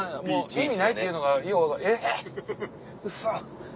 意味ないっていうのがえっうそ。